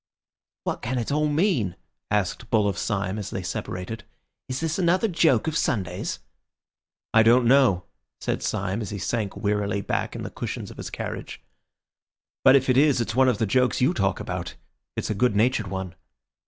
"What can it all mean?" asked Bull of Syme as they separated. "Is this another joke of Sunday's?" "I don't know," said Syme as he sank wearily back in the cushions of his carriage; "but if it is, it's one of the jokes you talk about. It's a good natured one."